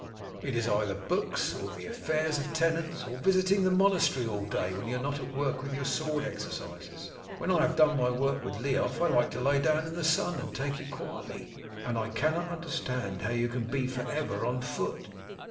It is either books, or the affairs of the tenants, or visiting the monastery all day when you are not at work with your sword exercises. When I have done with my work with Leof I like to lie down in the sun and take it quietly, and I cannot understand how you can be for ever on foot."